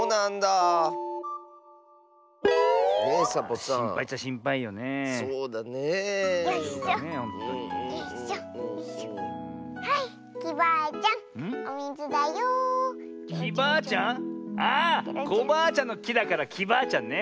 あっコバアちゃんのきだからきバアちゃんね。